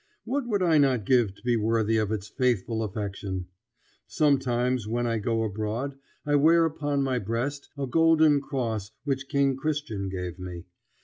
What would I not give to be worthy of its faithful affection! Sometimes when I go abroad I wear upon my breast a golden cross which King Christian gave me.